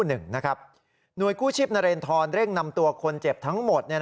หน่วยกู้ชีพนเรนทรเร่งนำตัวคนเจ็บทั้งหมด